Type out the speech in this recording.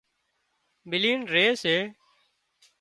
ملينَ ري سي